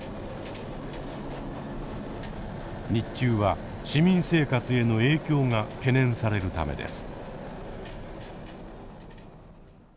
日中は市民生活への影響が懸念されるためです。